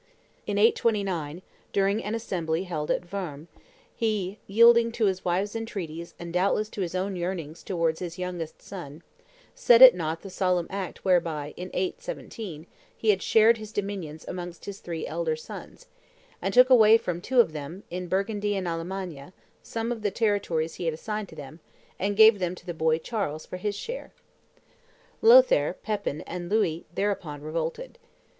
In 829, during an assembly held at Worms, he, yielding to his wife's entreaties and doubtless also to his own yearnings towards his youngest son, set at nought the solemn act whereby, in 817, he had shared his dominions amongst his three elder sons; and took away from two of them, in Burgundy and Allemannia, some of the territories he had assigned to them, and gave them to the boy Charles for his share. Lothaire, Pepin, and Louis thereupon revolted.